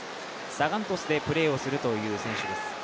サガン鳥栖でプレーをするという選手です。